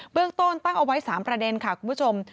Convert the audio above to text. เรื่องต้นตั้งเอาไว้๓ประเด็นค่ะคุณผู้ชม